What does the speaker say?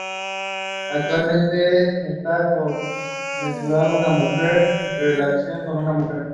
Actualmente está comenzando una relación con una mujer.